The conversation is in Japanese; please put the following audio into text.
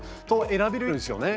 選べるんですよね。